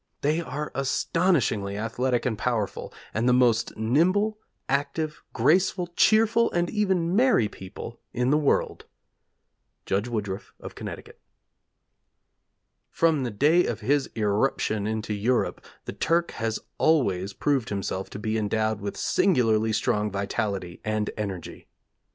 They are astonishingly athletic and powerful; and the most nimble, active, graceful, cheerful, and even merry people in the world. Judge Woodruff, of Connecticut.' 'From the day of his irruption into Europe the Turk has always proved himself to be endowed with singularly strong vitality and energy.